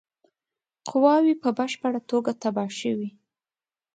قواوي په بشپړه توګه تباه شوې.